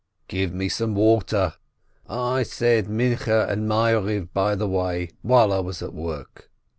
"Give me some water — I said Minchah and Maariv by the way, while I was at work."